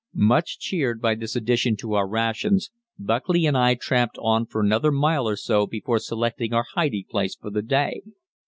Much cheered by this addition to our rations, Buckley and I tramped on for another mile or so before selecting our hiding place for the day.